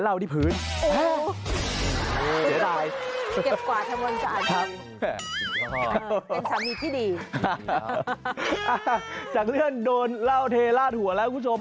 จากเรื่องโดนเล่าเทลาดหัวแล้วคุณผู้ชม